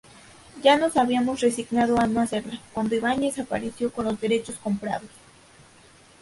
Ya nos habíamos resignado a no hacerla, cuando Ibáñez apareció con los derechos comprados.